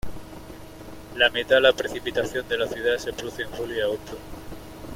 La mitad de la precipitación de la ciudad se produce en julio y agosto.